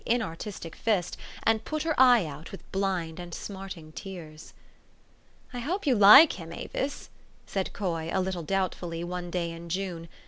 277 inartistic fist, and put her eye out with blind and smarting tears. " I hope you like him, Avis," said Coy a little doubtfully, one day in June.